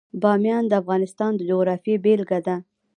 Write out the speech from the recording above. بامیان د افغانستان د جغرافیې بېلګه ده.